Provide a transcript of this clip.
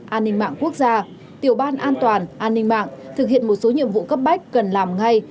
an ninh mạng quốc gia tiểu ban an toàn an ninh mạng thực hiện một số nhiệm vụ cấp bách cần làm ngay